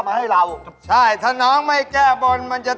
ศักดิ์สิทธิ์มากเลยครับ